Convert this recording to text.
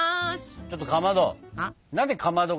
ちょっとかまど。は？